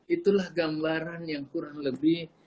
itulah gambaran yang kurang lebih